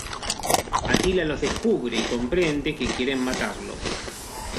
Atila los descubre y comprende que quieren matarlo.